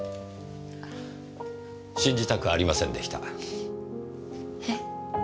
信じたくありませんでした。え？